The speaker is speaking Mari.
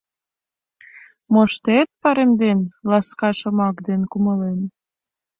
Моштет паремден Ласка шомак ден кумылем.